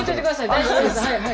大丈夫です。